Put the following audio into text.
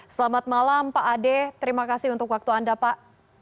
selamat malam pak ade terima kasih untuk waktu anda pak